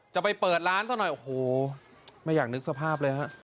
จะไปเปิดร้านซะหน่อยโอ้โหไม่อยากนึกสภาพเลยฮะ